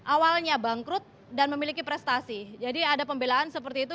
awalnya bangkrut dan memiliki prestasi jadi ada pembelaan seperti itu